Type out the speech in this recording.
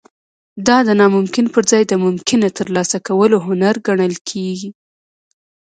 دا د ناممکن پرځای د ممکنه ترلاسه کولو هنر ګڼل کیږي